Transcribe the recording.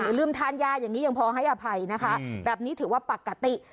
ลืมทานยาอย่างนี้ยังพอให้อภัยนะคะแบบนี้ถือว่าปกติ